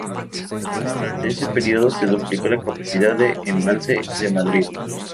Durante ese periodo se duplicó la capacidad de embalse de Madrid.